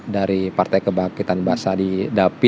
dari partai kebahagiaan bahasa di dapi